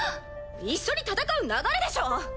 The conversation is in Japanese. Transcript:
一緒に戦う流れでしょう！